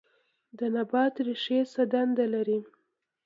د نبات ریښې څه دنده لري